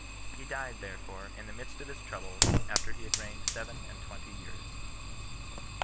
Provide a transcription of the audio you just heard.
He died, therefore, in the midst of his troubles, after he had reigned seven and twenty years. CHAPTER 5.